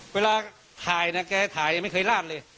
เวลาถ่ายนะแกถ่ายยังไม่เคยลาดเลย